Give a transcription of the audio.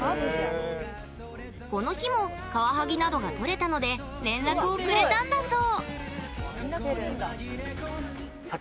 この日もカワハギなどがとれたので連絡をくれたんだそう。